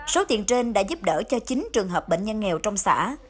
số tiền trên đã giúp đỡ cho chín trường hợp bệnh nhân nghèo trong xã